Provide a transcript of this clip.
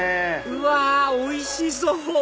うわおいしそう！